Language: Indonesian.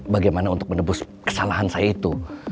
bagaimana untuk menebus kesalahan saya itu